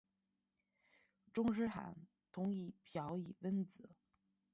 中日韩统一表意文字。